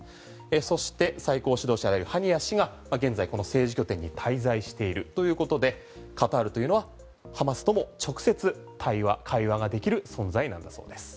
そして最高指導者であるハニヤ氏が、現在この政治拠点に滞在しているということでカタールというのはハマスとも直接対話会話ができる存在なんだそうです。